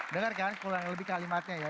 dengar kan kurang lebih kalimatnya ya